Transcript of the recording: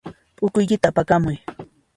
P'ukuykita apakamuy.